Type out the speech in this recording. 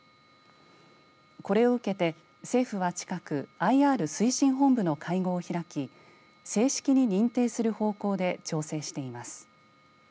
これを受けて政府は近くＩＲ推進本部の会合を開き正式に認定する方向で調整しています。